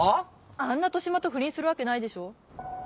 あんな年増と不倫するわけないでしょ。